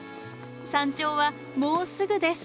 山頂はもうすぐです。